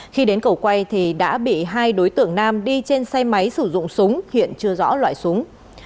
khi đến cầu quay thì đã bị hai đối tượng nam đi trên xe máy sử dụng súng hiện chưa rõ loại súng